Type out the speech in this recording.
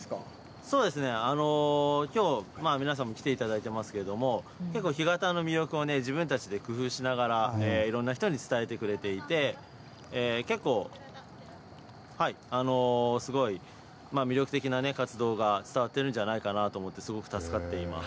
きょう、皆さんも来ていただいてますけれども、結構干潟の魅力をね、自分たちで工夫しながらいろんな人に伝えてくれていて、結構、すごい魅力的な活動が伝わってるんじゃないかなと思って、すごく助かっています。